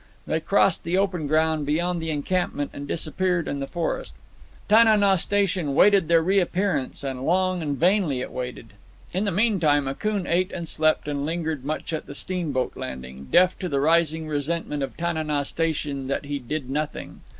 They crossed the open ground beyond the encampment and disappeared in the forest. Tana naw Station waited their reappearance, and long and vainly it waited. In the meantime Akoon ate and slept, and lingered much at the steamboat landing, deaf to the rising resentment of Tana naw Station in that he did nothing.